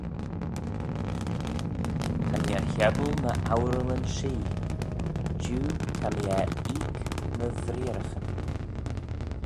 Ta mee er hebbal my ourallyn-shee: jiu ta mee er eeck my vreearraghyn.